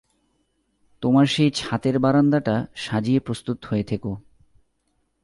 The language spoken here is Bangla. তোমার সেই ছাতের বারান্দাটা সাজিয়ে প্রস্তুত হয়ে থেকো।